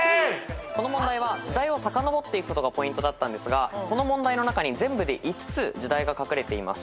この問題は時代をさかのぼっていくことがポイントだったんですがこの問題の中に全部で５つ時代が書かれています。